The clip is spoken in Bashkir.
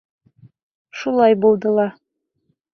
Шулай булды ла.